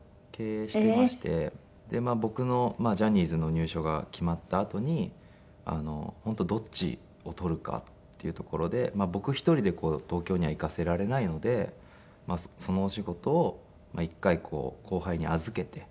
で僕のジャニーズの入所が決まったあとに本当どっちを取るかっていうところで僕一人で東京には行かせられないのでそのお仕事を一回後輩に預けて。